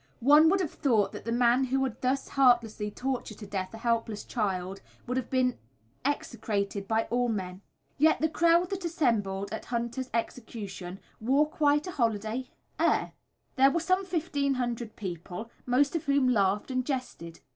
One would have thought that the man who had thus heartlessly tortured to death a helpless child would have been execrated by all men; yet the crowd that assembled at Hunter's execution wore quite a holiday air. There were some 1500 people, most of whom laughed and jested.